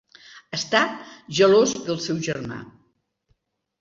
Està gelós del seu germà.